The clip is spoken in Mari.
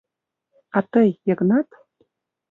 «А тый — Йыгнат?